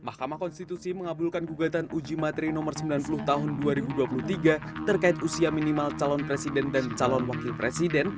mahkamah konstitusi mengabulkan gugatan uji materi nomor sembilan puluh tahun dua ribu dua puluh tiga terkait usia minimal calon presiden dan calon wakil presiden